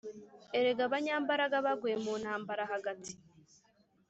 Erega abanyambaraga baguye mu ntambara hagati!